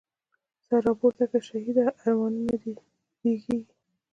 سر را پورته که شهیده، ارمانونه د رږیږی